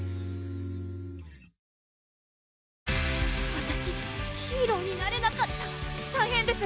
わたしヒーローになれなかった大変です